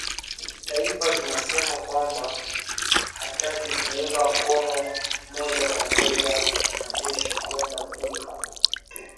taifa zinasema kwamba hataki kuunga mkono moja kwa moja majeshi kwenda kule cote